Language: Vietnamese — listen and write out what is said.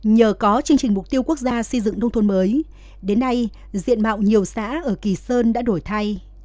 nhờ có chương trình mục tiêu quốc gia xây dựng nông thôn mới đến nay diện mạo nhiều xã ở kỳ sơn đã đổi thay